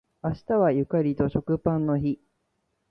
明日はゆかりと食パンの日